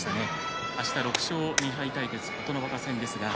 あした、６勝２敗対決琴ノ若戦です。